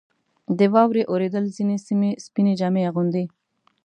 • د واورې اورېدل ځینې سیمې سپینې جامې اغوندي.